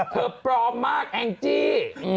เธอปลอมมากแอ็งจี้